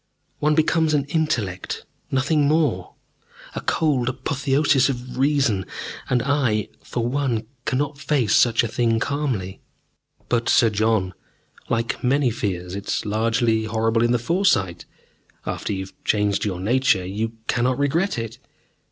One becomes an intellect, nothing more a cold apotheosis of reason. And I, for one, cannot face such a thing calmly." "But, Sir John, like many fears, it is largely horrible in the foresight. After you have changed your nature you cannot regret it.